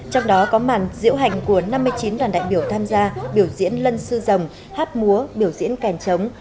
trong đó có màn diễu hành của năm mươi chín đoàn đại biểu tham gia biểu diễn lân sư dòng hát múa biểu diễn kèn chống